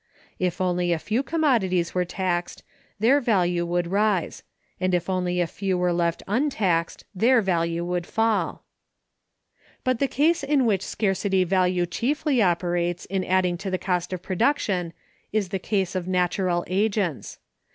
If only a few commodities were taxed, their value would rise; and if only a few were left untaxed, their value would fall. But the case in which scarcity value chiefly operates in adding to cost of production is the case of natural agents.